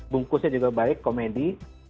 bungkusnya juga baik komedi